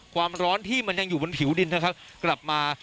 ความร้อนที่มันยังอยู่บนผิวดินนะครับกลับมา